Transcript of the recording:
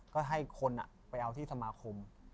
ก็ให้คนไปเอาที่สมาคม